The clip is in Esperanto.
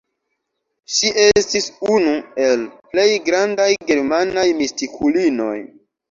Ŝi estis unu el plej grandaj germanaj mistikulinoj.